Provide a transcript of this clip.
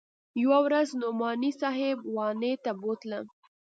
يوه ورځ نعماني صاحب واڼې ته بوتلم.